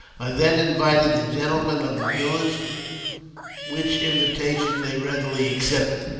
I then invited the gentlemen to the village, which invitation they readily ac cepted.